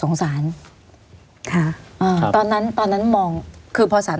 ไม่มีครับไม่มีครับ